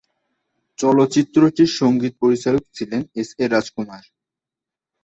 চলচ্চিত্রটির সঙ্গীত পরিচালক ছিলেন এস এ রাজকুমার।